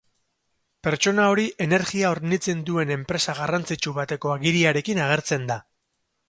Pertsona hori energia hornitzen duen enpresa garrantzitsu bateko agiriarekin agertzen da.